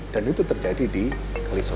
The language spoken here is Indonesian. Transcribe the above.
dan itu terjadi di kalisosok